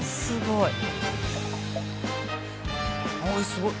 すごい。